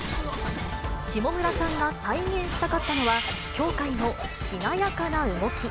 下村さんが再現したかったのは、羌かいのしなやかな動き。